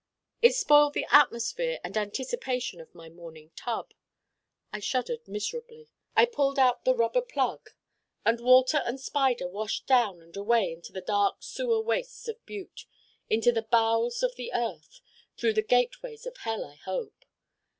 It spoiled the atmosphere and anticipation of my morning tub. I shuddered miserably. I pulled out the rubber plug and water and Spider washed down and away into the dark sewer wastes of Butte, into the bowels of the earth, through the gateways of hell, I hope.